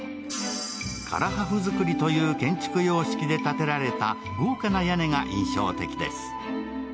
唐破風造という建築洋式で建てられた豪華な屋根が印象的です。